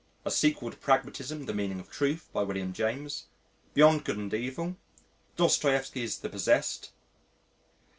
_ The Sequel to Pragmatism: The Meaning of Truth, by Wiliam James. Beyond Good and Evil. Dostoievsky's _The Possessed.